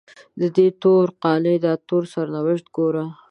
ددې تور قانع داتور سرنوشت ګوره